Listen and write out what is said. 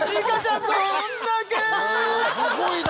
すごいな！